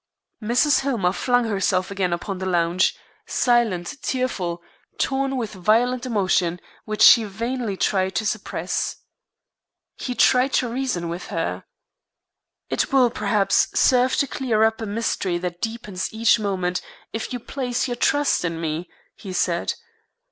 Mrs. Hillmer flung herself again upon the lounge, silent, tearful, torn with violent emotion, which she vainly tried to suppress. He tried to reason with her. "It will, perhaps, serve to clear up a mystery that deepens each moment if you place your trust in me," he said.